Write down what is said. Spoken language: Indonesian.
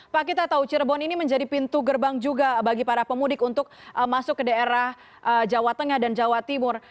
pak kita tahu cirebon ini menjadi pintu gerbang juga bagi para pemudik untuk masuk ke daerah jawa tengah dan jawa timur